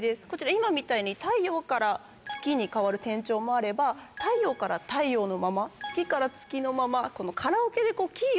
今みたいに太陽から月に変わる転調もあれば太陽から太陽のまま月から月のまま。